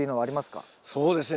そうですね。